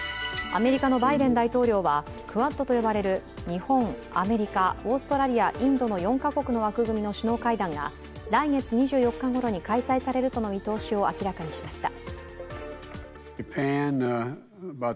アメリカのバイデン大統領はクアッドと呼ばれる日本、アメリカ、オーストラリア、インドの４カ国の枠組みの首脳会談が来月２４日ごろに開催されるとの見通しを明らかにしました。